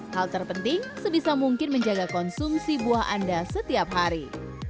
hal terpenting sebisa mungkin menjaga konsumsi buah anda setiap hari